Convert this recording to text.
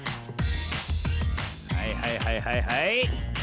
はいはいはいはいはい。